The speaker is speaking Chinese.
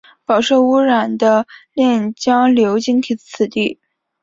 饱受污染的练江流经此地。